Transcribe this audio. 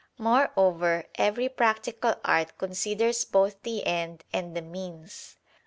Moreover, every practical art considers both the end and the means.